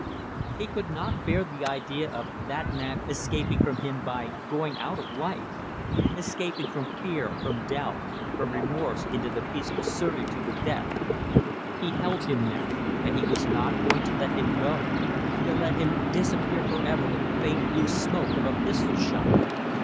He could not bear the idea of that man escaping from him by going out of life; escaping from fear, from doubt, from remorse into the peaceful certitude of death. He held him now. And he was not going to let him go to let him disappear for ever in the faint blue smoke of a pistol shot.